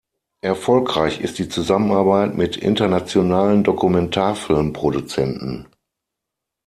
Erfolgreich ist die Zusammenarbeit mit internationalen Dokumentarfilm-Produzenten.